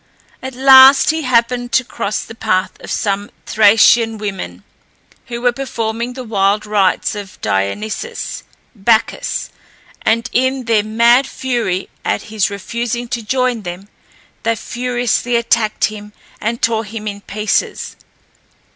At last he happened to cross the path of some Thracian women, who were performing the wild rites of Dionysus (Bacchus), and in their mad fury at his refusing to join them, they furiously attacked him, and tore him in pieces.